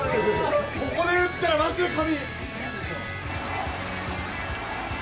ここで打ったらまじで神。